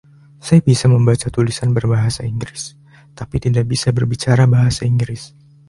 Saya bisa membaca tulisan berbahasa Inggris, tetapi tidak bisa berbicara bahasa Inggris.